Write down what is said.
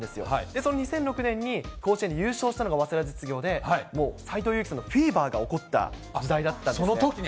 その２００６年に甲子園で優勝したのが早稲田実業で、もう斎藤佑樹さんのフィーバーが起こった時代だったんです。